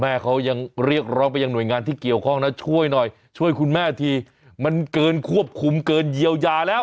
แม่เขายังเรียกร้องไปยังหน่วยงานที่เกี่ยวข้องนะช่วยหน่อยช่วยคุณแม่ทีมันเกินควบคุมเกินเยียวยาแล้ว